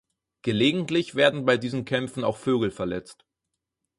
Gelegentlich werden bei diesen Kämpfen auch Vögel verletzt.